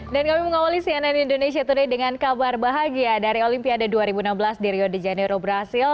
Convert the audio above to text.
dan kami mengawali cnn indonesia today dengan kabar bahagia dari olimpiade dua ribu enam belas di rio de janeiro brazil